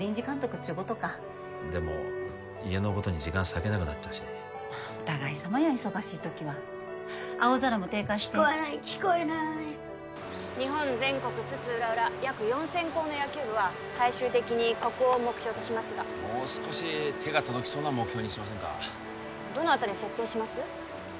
っちゅうことかでも家のことに時間割けなくなっちゃうしお互いさまや忙しい時は青空も手貸して聞こえない聞こえない日本全国津々浦々約４０００校の野球部は最終的にここを目標としますがもう少し手が届きそうな目標にしませんかどのあたりに設定します？